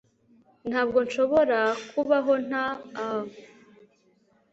ntabwo nshobora kubaho nta a